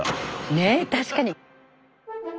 ねえ確かに。